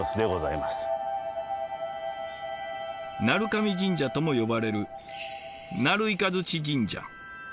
鳴雷神社とも呼ばれる鳴雷神社。